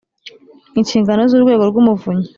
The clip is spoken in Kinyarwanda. Inshingano z Urwego rw Umuvunyi